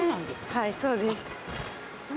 はいそうです。